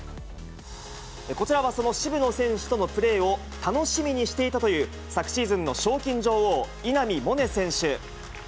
こちらはその渋野選手とのプレーを楽しみにしていたという、昨シーズンの賞金女王、稲見萌寧選手。